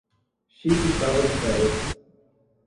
Chico estava de férias.